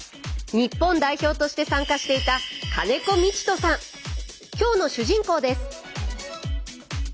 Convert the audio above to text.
日本代表として参加していた今日の主人公です。